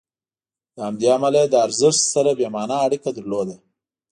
له همدې امله یې له ارزښت سره بې معنا اړیکه درلوده.